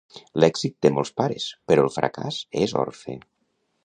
L'èxit té molts pares; però el fracàs és orfe.